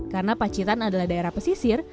karena pacitan adalah daerah pesisir